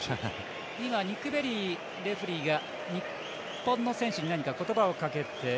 ニック・ベリーレフリーが日本の選手に何か言葉をかけて。